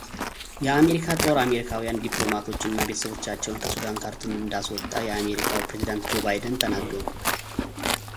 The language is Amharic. የአሜሪካ ጦር አሜሪካውያን ዲፕሎማቶች እና ቤተሰቦቻቸውን ከሱዳን ካርቱም እንዳስወጣ የአሜሪካው ፕሬዝዳንት ጆ ባይደን ተናገሩ።